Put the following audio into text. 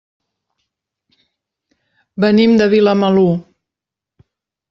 Venim de Vilamalur.